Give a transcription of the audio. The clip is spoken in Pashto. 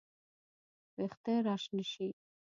وېښته راشنه شي